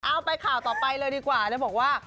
เอาไปข่าวต่อไปเลยดีกว่าแล้วบอกว่า